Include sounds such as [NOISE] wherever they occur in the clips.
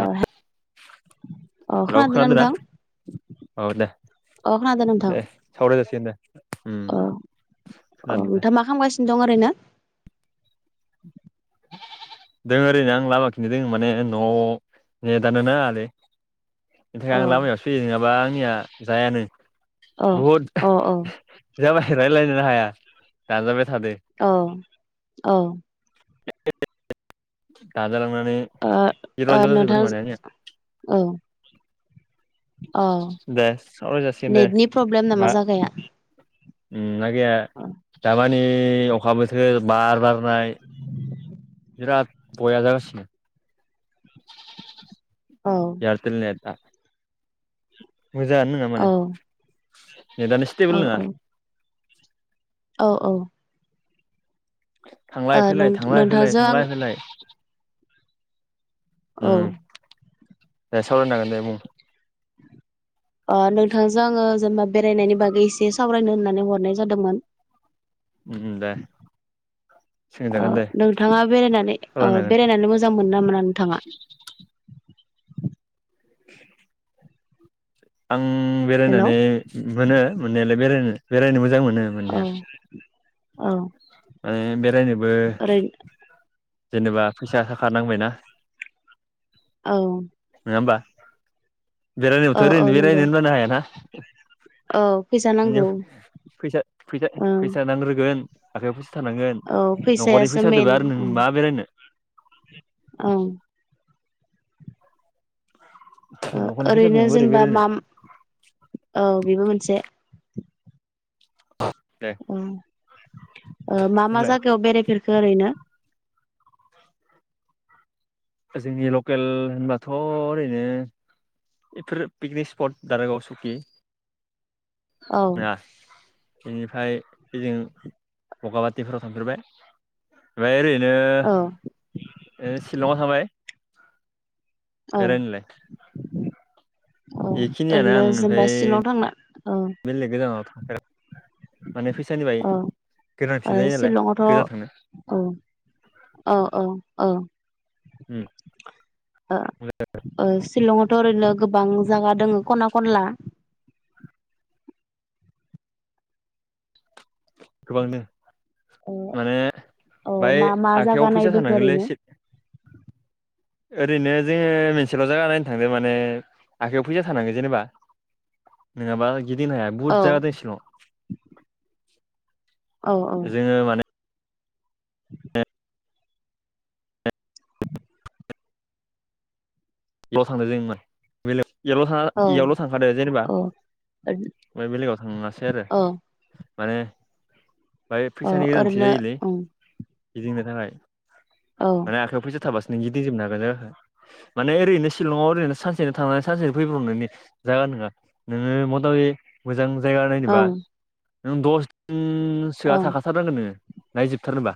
ओ अ हेल' खोनादोंना खोदोना? नोंथां औ दे अ खोनादों नोंथां दे सावराय जासिगोन दे। उम औ औ खोनादों दे नोंथाङा मा खालामगासिनो दं ओरैनो दों ओरैनो आं लामा खिनो दं माने न' आव नेदानो नाङालै। बेनि थाखाय औ आं लामायाव सो फैयो नङाबा आंनिया जायानो। औ बुहुद अ औ। जाबाय रायज्लायनोनो हाया दानजाबाय। थादो अ औ [UNINTELLIGIBLE] जालांनानै ओ नोंथां [UNINTELLIGIBLE] औ औ दे सावराय जासिगोन दे नेटनि प्रब्लेम नामा मा जागाया उम ना गैया औ दामानि अखा बोथोर बार बार नाय बिराद बया जागासिनो। औ इयारठेल नेट आ मोजाङानो नङा औ माने नेट आनो औ स्टेबोल नङा औ औ ओ थांलाय फैलाय थांलाय फैलाय नोंथांजों आं थांलाय फैलाय उम औ दे सावरायनो हागोन दे बुं आं नोंथांजों आङो जेनेबा बेरायनायनि बागै एसे सावरायनो होननानै हरनाय जादोंमोन। उम उम दे ओ सोंजागोन दे नोंथाङा बेरायनानै ओ सावरायनो हागोन बेरायनानै मोजां मोनो ना मोना नोंथाङा? [INAUDIBLE] आं हेलौ बेरायनानै मोनो मोननायालाय बेरायनो बेरायनो मोजां मोनो औ मोननाया औ माने बेरायनोबो ओरै जेनेबा फैसा थाखा नांबायना औ नङा होमबा बेरायनोबोथ' औ औ ओरैनो बेरायनो नंगौ होनबानो हायाना औ फैसा नांगौ फैसा फैसा ओं फैसा नांग्रोगोन आखाइयाव फैसा थानांगोन औ न'खरनि फैसायासो मेन फैसादोबो आरो नों मा बेरायनो औ न'खरनि फैसादो ओरैनो नों बोरै जेनेबा बेरायनो मा औ बेबो मोनसे दे ओ मा मा बुंलाय जायागायाव बेरायफेर खो ओरै नो जोंनि लकेल होनबाथ' ओरैनो बेफोर पिकनिक स्पट दारागाव सुकि औ [UNINTELLIGIBLE] बेनिफ्राय जों बगामाथिफोराव थांफेरबाय ओमफ्राय ओरै बिदिनो औ ओ सिलंआव थांबाय औ बेरायनोलाय औ बेखिनियानो ओरैनो आं जेनेबा ओमफ्राय शिलं थांना औ बेलेग गोजानाव थांफेराखै माने फैसानि बाइ औ ओ गोनांथि जायो नालाय शिलंआवथ' औ गोजान थांनो औ औ औ उम ओ ओ शिलं आव थ' ओरैनो गोबां जागा दोङो खना खनला गोबांनो ओ ओ मा मा आखाइयाव जागा फैसा नायबोखो थानांगोनलै ओरैनो [INAUDIBLE] एसे। ओरैनो जोङो मोनसेल' जायगा नायनो थांदो माने आखाइयाव फैसा थानांगौ जेनेबा नोङाबा गिदिंनो हाया औ बहुद जायगा दै सिङाव औ औ जोङो माने ल थांदों जों [UNINTELLIGIBLE] बेलेग यावल थाङा औ इयावल' थांखादो जेनेबा औ ओमफ्राय बेलेगाव थाङासै आरो माने बाय औ फैसानि गोनांथि ओरैनो जायोलै ओं गिदिंनो थाखाय औ माने आखायाव फैसा थाबासो नों गिदिं जोबनो हागोन जायगाखो माने ओरैनोशिलंआव ओरैनो सानसेनो थांनानै सानसेनो फैबाव नोंनि जागा नङा नोङो मथा म मोजां जाया नायनोबा ओं नों दस सोआ ओं थाखाथारनांगोन नोङो नायजोबथारनोबा।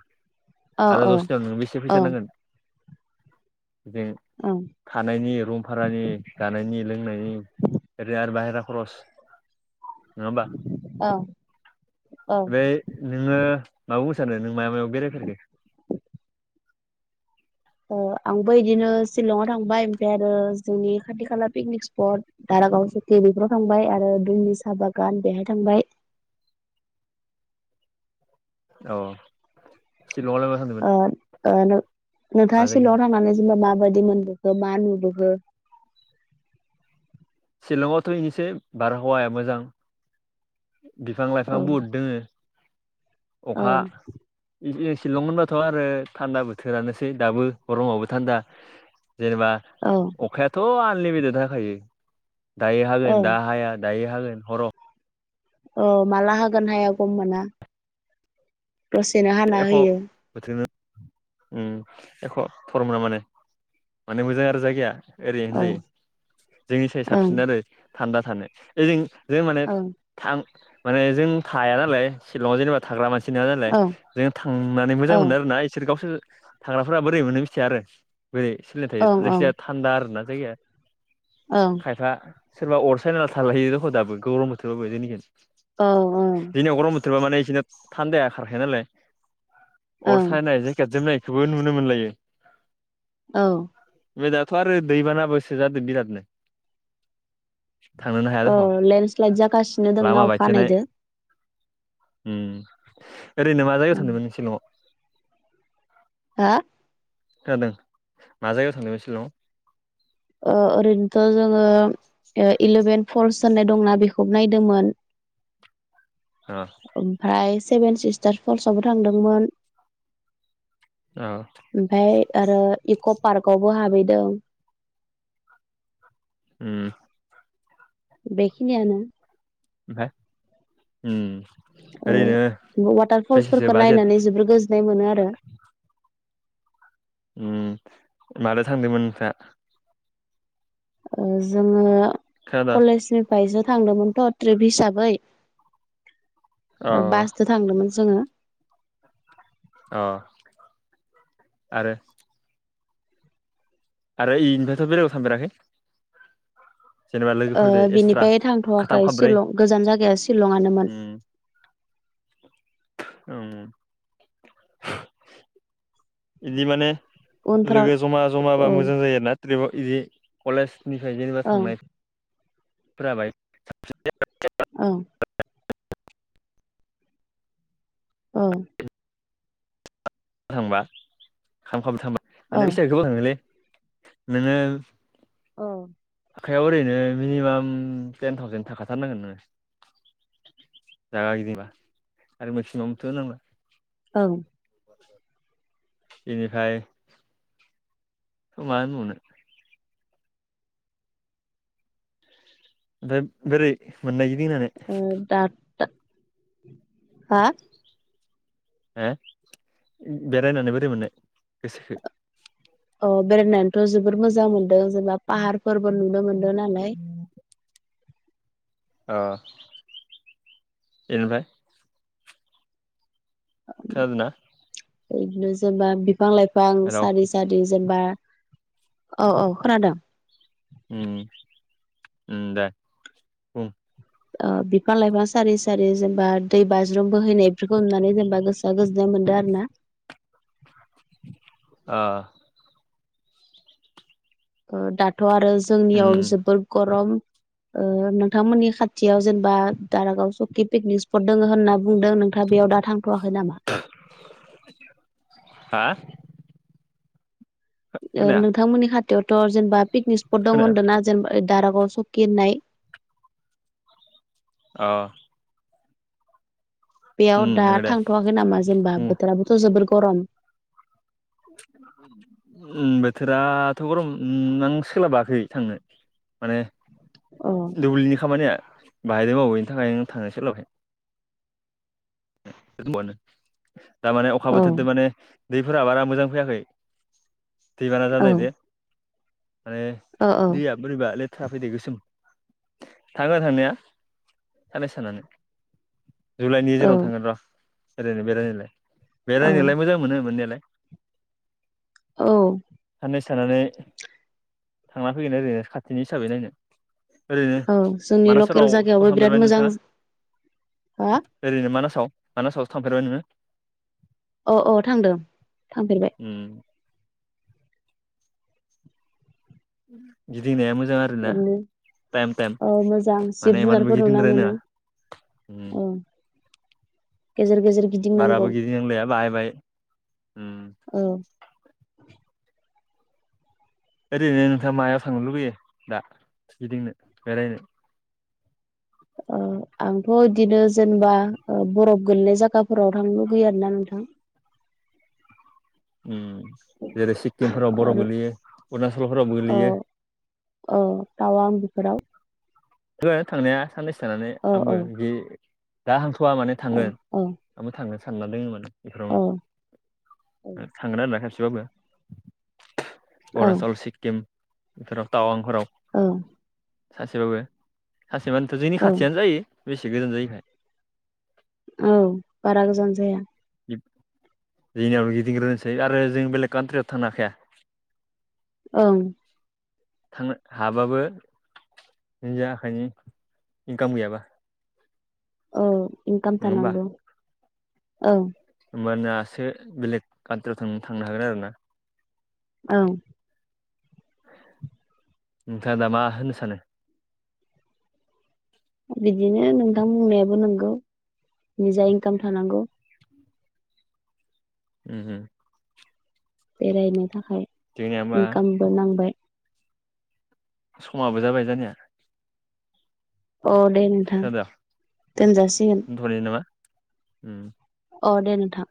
औ आरो औ दसनियाव नों बेसे फैसा ओं नांगोन? ओं [UNINTELLIGIBLE] थानायानायनि रुम भारानि जानायनि लोंनायनि ओरैनो आरो बाहेरा खरस नङा ओमबा? औ औ बेै नोङो म मोसानो नों मायाव मायाव बेरायफेरखो? आंबो बिदिनो सिशलंआव थांबाय ओमफ्राय आरो जोंनि खाथि खाला पिकनिक स्पट दार गाव सकि बेफोराव थांबाय आरो दुमनि साहा बागान बेहाय थांबाय। औ। ओ ओ मा नों-नोंथाङा जायगायाव सिलं थांनानै जेनेबा मा बादि मोनबोखौ मा नुबोखो? शिलंआवथ' इनोसै बारहावाया मोजां। बिफां लाइफां औ बुहुद दोङो। औ अखा फैगा शिलं होनबाथ आरो थान्दा बोथोरानोसै दाबो गरमावबो थान्दा। जेनेबा औ अखायाथ आनलिमिटेड हाखायो। दायो औ हागोन दा हाया दायो हागोन हराव औ माला हागोन हाया गम मोना। दसेनो हाना एख' होयो। बोथोरनो उम एख' थरमोना माने माने मोजां आरो जायगाया। ओरैनो औ जायो जोंनि सायाव ओं साबसिन आरो थान्दा थानो ओजों जों माने ओं थां माने जों थाया नालाय शिलंआव जेनेबा थाग्रा मानसि नङा नालाय ओं जों थांनानै मोजां ओं मोनो आरोना इसोर गावसोर थांग्राफोरा बोरै मोनो मिथिया आरो। बोरै सोलिनो थायो ओं ओं ओं जायखिजाया थान्दा आरोना जायगाया औ खायफा सोरबा अर साय नाला थालहयो दख' दाबो गौरब बोथोरावबो जोंनिखैजा औ ओं। जेनेबा माने बिसेनो थान्दाया खारखाया नालाय। अर ओं सायनाय जेकेट जोमनायखौबो नुनो मोनलायो। औ। बे दाथ' आरो दैबानाबोसो जादो बिरादनो। थांनोनो हाया ओ दखं लेन्डस्लाइद जागासिनो दंना लामा अखा बायथेनाय हानायदो उम ओरैनो मा जायगायाव थांदोंमोन नों सिलंआव? हा? खोनादों मा जायगायाव थांदोंमोन शिलंआव? ओरैनोथ' जोङो इलेभेन फल्स होननाय दंना बेखौबो नायदोंमोन। अ ओमफ्राय सेभेन सिस्टार फलसआवबो थांदोंमोन। औ। ओमफ्राय आरो इक' पार्क आवबो हाबहैदों। उम बेखिनियानो। ओमफाय उम ओ ओरैनो वाटार बेसेसो फल्सफोरखौ नायनानै बाजेट? जोबोर गोजोननाय मोनो आरो उम मादो थांदोंमोन ओमफ्राय? जोङो खोनादों कलेजनिफाय जों थांदोंमोनथ' ट्रिप हिसाबै अ बासजों थांदोंमोन। जोङो। अ आरो आरो इनिफायथ बेलेगाव थांफेराखै? जेनेबा लोगोफोरजों एक्सट्रा बिनिफ्राय थांथ'वाखै खाथाम खाब्रै शिलं गोजान जायगाया सिशलंङानोमोन। [INAUDIBLE] औ बिदि माने उनफोराव लोगो जमा जमाबा औ मोजां जायो आरोना ट्रिपआव बिदि कलेज निफ्राय जेनेबा ओं थांनाय फोराबाय साबसिन औ औ थांबा औ फैसाया गोबां थांङोलै नोंङो औ आखायाव ओरैनो मिनिमाम टेन थावजेन थाखाथारनांगोन नोङो। जागा गिदिबा आरो मेक्सिमामथ' नोङो औ [INAUDIBLE] बेनिफ्राय मा होनबावनो ओमफ्राय बेरै मोननाय गिदिंनानै अ दाथ हा हो बेरायनानै बोरै मोननाय गोसोखो अ बेरायनानैथ' जबोद मोजां मोनदों जेनेबा पाहारफोरबो नुनो मोनदों नालाय अ बेनिफ्राय खोनादों ना? बिदिनो जेनेबा बिफां लाइफां हेलौ सारि सारि जेनेबा औ औ खोनादों। उम उम दे बुं बिफां लाइफां सारि सारि जेनेबा दै बाज्रुम बोहैनाय बेफोरखौ ननानै जेनेबा गोसोआ गोजोननाय मोनो दो आरोना ओ दाथ' आरो उम जोंनियाव जोबोर गरम नोंथांमोननि खाथियाव जेनेबा दारागाव सकि पिकनिक स्पट दङ होनना बुंदों नोंथा बेयाव दा थांथ'वाखै नामा? हा ओ खोनाया नोंथांमोननि खाथिथाययावथ' जेनेबा पिकनिक स्पट दं खोनाया होनदों ना जेनेबा ओ दारा गाव सकि होननाय औ बेयाव दा नंगौ दे थांथवाखै नामा जेनेबा उम बोथोराबोथ' जोबोर गरम बोथोराथ' गरम आं सोलाबाखै थांनो। माने औ दुब्लिनि खामानिया बाहायदों मावो बेनि थाखायनो थांनो सोलाबाखै नो दा माने अखा औ बोथोरदो माने दैफोरा बारा मोजां फैयाखै दैबाना औ जानायदो। माने औ दैया बोरैबा लेथ थाफैदो गोसोम थाङो थांनाया साननैसो थानानै जुलाइनि औ जेनबा ओरैनो बेरायनायलाय औ बेरायनोलाय मोजां मोनो मोननायलाय औ मैसानानै थांना फैगोन ओरैनो खाथिनि हिसाबै नायनो ओरैनो औ जोंनि मानस लकेल फोराव जायगायावबो बिराद थांफेरबाय मोजां नोंथाङा हा ओरैनो मानास मानासावसो थांफेरबाय नोङो औ औ थांदों थांफेरबाय उम गिदिंनाया मोजां आरोना टाइम टाइम नो मोजां माने जिब इमानबो जुनारफोर नुना मोनो गिदिंद्रायनाङा उम औ गेजेर गेजेर गेजेर गिदिं बाराबो नांगौ गिदिंनांलाया बाहाय बाहाय उम औ ओरैनो नोंथाङा मायाव थांनो लुबैयो दा गिदिंनो बेरायनो आंथ' बिदिनो जेनेबा बरफ गोलैनाय जायगाफोराव थांनो लुगैयो आरोना नोंथां [INAUDIBLE] जेरै सिक्किमफोराव बर आरो गोगलैयो अरुणचलफोराव औ गोलैयो औ थावां आं बेफोराव थानो थांनाया साननैसो थानानै औ आंबो जि दा हां थुवा माने थांगोन औ औ आंबो थांनो सानना ल माने बेफोरावनो औ थांगोन आरोना खेबसेबाबो औ अरुणाचल सिक्किम बेफोराव टावांफोराव औ सानसेबाबो सानसेमानोथ जोंनि खाथियानो जायो बेसे गोजान जायोखाय औ बारा गोजान जाया जोंनियाव गिदिंग्रोसै आरो जों बेलेग काान्ट्रियाव थांनो हाखाया ओं थांनो हाबाबो निज आखाइनि इनकाम गैयाबा औ इनकाम नङा होमबा थानांगौ औ होमबानासो बेलेग कट्रिाव थांनो थांनो हागोन आरो ना औ नोंथाङा दा मा होननो सानो बिदिनो नोंथां बुंनायाबो नोंगौ निजा इनकाम थानांगौ ओ ओ बेरायनो थाखाय जोंनिया होमबा इनकामबो नांबाय समाबो जाबाय जानाया अ दे नोंथां खोनादों दोनजासिगोन दोनथ'नो नामा उम अ दे नोंथां